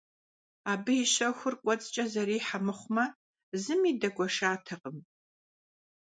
Абы и щэхур кӀуэцӀкӀэ зэрихьэ мыхъумэ, зыми дэгуэшатэкъым.